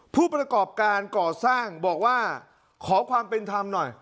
ผู้ประกอบการก่อสร้างบอกว่าขอความเป็นธรรมหน่อย